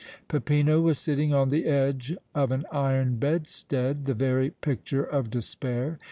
Peppino was sitting on the edge of an iron bedstead, the very picture of despair.